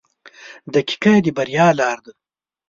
• دقیقه د بریا لار ده.